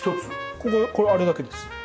こここれはあれだけです。